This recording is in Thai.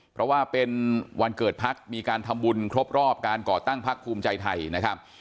เพราะว่าเป็นวันเกิดพักมีการทำบุญครบรอบการก่อตั้งพักภูมิใจไทยนะครับ